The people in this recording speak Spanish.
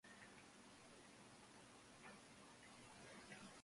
Son bilingües, su lengua madre el idioma kichwa y el español como segunda lengua.